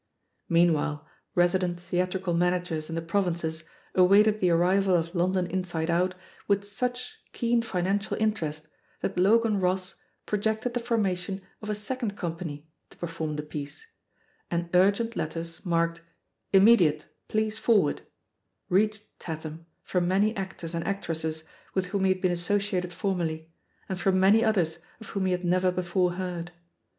Meanwhile resident theatrical managers in the provinces awaited the arrival of London Inside Out with such keen financial interest that Logan Ross projected the formation of a second com pany to perform 4:he piece, and m^gent letters, marked "Immediate, please forward," reached Tatham from many actors and actresses with whom he had been associated formerly, and from . many others of whom he had never before heard.